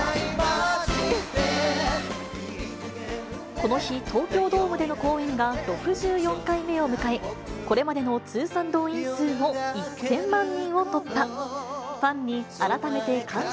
この日、東京ドームでの公演が６４回目を迎え、これまでの通算動員数も１０００万人を突破。